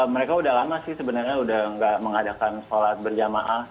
mereka udah lama sih sebenarnya udah nggak mengadakan sholat berjamaah